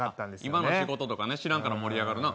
今の仕事とか知らんから盛り上がるな。